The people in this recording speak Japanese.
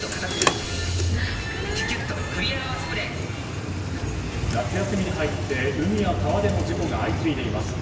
わかるぞ夏休みに入って海や川での事故が相次いでいます。